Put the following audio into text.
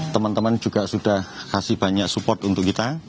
teman teman juga sudah kasih banyak support untuk kita